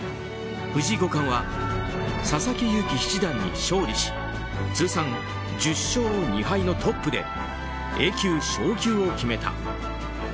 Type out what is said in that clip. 藤井五冠は佐々木勇気七段に勝利し通算１０勝２敗のトップでＡ級昇級を決めた。